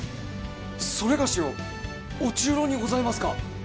それがしを御中臈にございますか！？